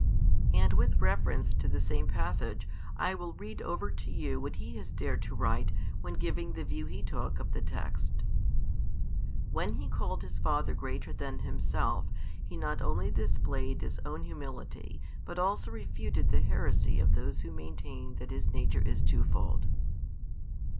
And with reference to the same passage, I will read over to you what he has dared to write when giving the view he took of the text: "When He called His Father greater than Himself, He not only displayed His own humility but also refuted the heresy of those who maintain that His nature is twofold."